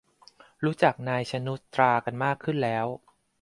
รู้จัก นาย ชนุชตรา กันมากขึ้นแล้ว